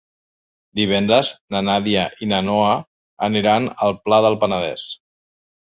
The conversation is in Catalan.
Divendres na Nàdia i na Noa aniran al Pla del Penedès.